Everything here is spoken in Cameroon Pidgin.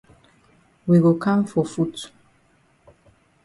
We go kam for foot.